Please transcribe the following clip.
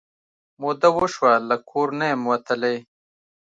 موده وشوه له کور نه یم وتلې